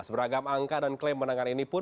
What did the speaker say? beragam angka dan klaim menangan ini pun